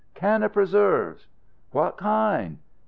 "Can of preserves." "What kind?"